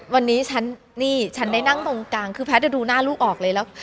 วันนี้ฉันนี่ฉันได้นั่งตรงกลางคือแพทย์จะดูหน้าลูกออกเลยแล้ว